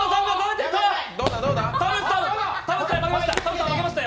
田渕さん、負けました。